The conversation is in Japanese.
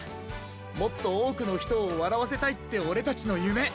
「もっとおおくのひとをわらわせたい」ってオレたちのゆめ。